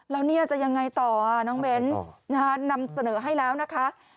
แล้วเนี่ยจะยังไงต่อน้องเบนส์นำเสนอให้แล้วนะคะ